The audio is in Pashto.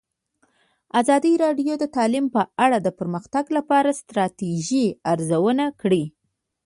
ازادي راډیو د تعلیم په اړه د پرمختګ لپاره د ستراتیژۍ ارزونه کړې.